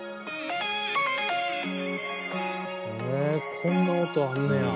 へえこんな音あんねや。